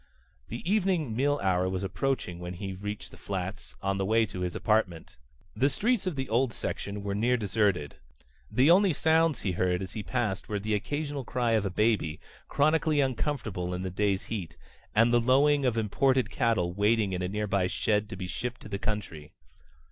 The evening meal hour was approaching when he reached the Flats, on the way to his apartment. The streets of the old section were near deserted. The only sounds he heard as he passed were the occasional cry of a baby, chronically uncomfortable in the day's heat, and the lowing of imported cattle waiting in a nearby shed to be shipped to the country.